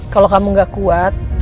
kalau kamu gak kuat